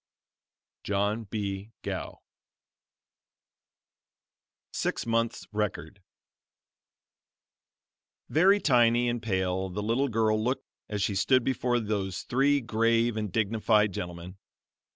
John B. Gough. SIX MONTHS' RECORD Very tiny and pale the little girl looked as she stood before those three grave and dignified gentlemen.